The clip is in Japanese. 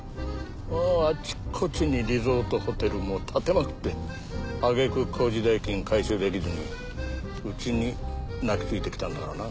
もうあちこちにリゾートホテルをもう建てまくってあげく工事代金回収できずにうちに泣きついてきたんだからな。